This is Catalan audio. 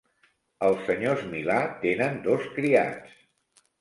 Els senyors Milà tenen dos criats.